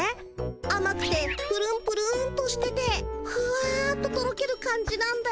あまくてプルンプルンとしててふわっととろける感じなんだよね。